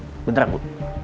baik bu bentar bu